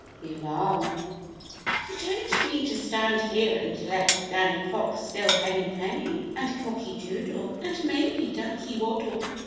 THE ALARM "You don't mean to stand here and let Danny Fox steal Henny Penny and Cocky Doodle and maybe Ducky Waddles?"